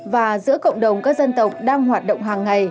và giữa cộng đồng các dân tộc đang hoạt động hàng ngày